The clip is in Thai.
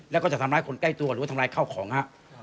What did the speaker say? แล้วก็จะทำร้ายคนใกล้ตัวหรือว่าทำร้ายข้าวของครับ